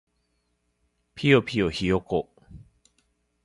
ぴよぴよひよこ